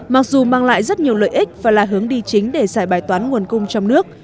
mặc dù mang lại rất nhiều lợi ích và là hướng đi chính để giải bài toán nguồn cung trong nước